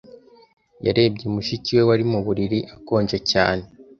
Yarebye mushiki we, wari mu buriri akonje cyane.